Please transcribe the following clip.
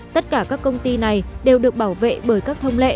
tất cả các công ty này đều được bảo vệ bởi các thông lệ